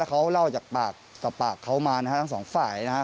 แล้วเขาเล่าจากปากกับปากเขามานะครับทั้งสองฝ่ายนะครับ